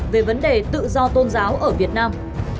về vấn đề tự do tôn giáo ở việt nam